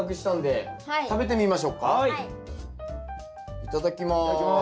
いただきます。